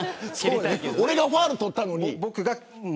俺がファウル、取ったのに。